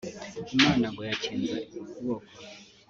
Imana ngo yakinze ukuboko